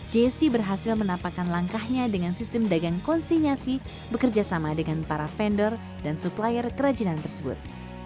jessie berhasil menapakan langkahnya dengan sistem dagang konsinyasi bekerjasama dengan para vendor dan supplier kerajinan tersebut